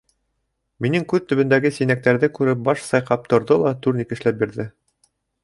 Минең күҙ төбөндәге синәктәрҙе күреп баш сайҡап торҙо ла турник эшләп бирҙе.